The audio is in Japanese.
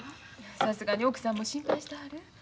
さすがに奥さんも心配してはる。